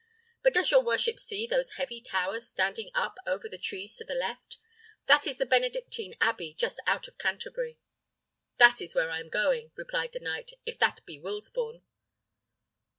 But does your worship see those heavy towers standing up over the trees to the left? That is the Benedictine Abbey, just out of Canterbury." "That is where I am going," replied the knight, "if that be Wilsbourne."